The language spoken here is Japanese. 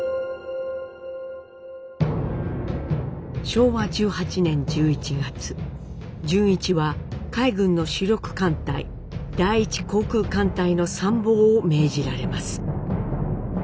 昭和１８年１１月潤一は海軍の主力艦隊第一航空艦隊の参謀を命じられます。